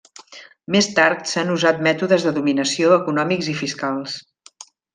Més tard, s'han usat mètodes de dominació econòmics i fiscals.